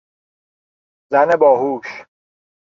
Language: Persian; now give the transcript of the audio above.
زن باهوش